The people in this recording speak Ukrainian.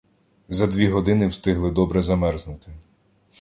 За дві години встигли добре замерзнути.